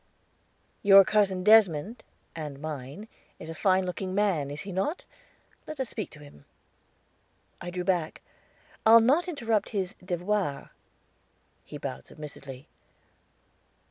"Your Cousin Desmond, and mine, is a fine looking man, is he not? Let us speak to him." I drew back. "I'll not interrupt his devoir." He bowed submissively.